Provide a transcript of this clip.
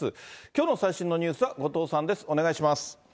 きょうの最新のニュースは後藤さんです。